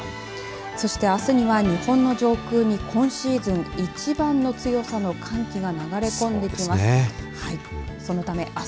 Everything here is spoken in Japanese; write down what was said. そしてあすには日本の上空に今シーズン一番の強さの寒気が流れ込んできます。